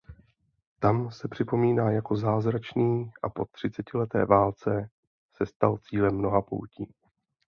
Tam se připomíná jako zázračný a po třicetileté válce se stal cílem mnoha poutí.